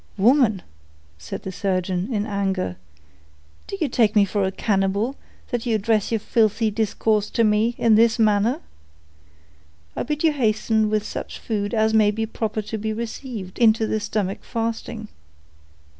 "Woman!" said the surgeon, in anger, "do you take me for a cannibal, that you address your filthy discourse to me, in this manner? I bid you hasten with such food as may be proper to be received into the stomach fasting."